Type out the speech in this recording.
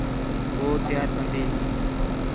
ہو تیار کندی ہی